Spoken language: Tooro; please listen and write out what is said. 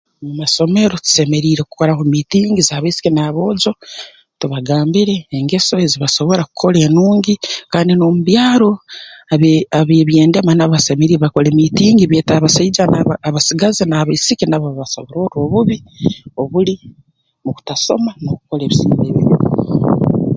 Mu masomero tusemeriire kukoraho miitingi z'abaisiki n'aboojo tubagambire engeso ezi basobora kukora enungi kandi n'omu byaro abe ab'eby'endema nabo basemeriire bakole miitingi beete abasaija n'aba abasigazi n'abaisiki nabo babasobororre obubi obuli mu kutasoma n'okukora ebisimba ebibi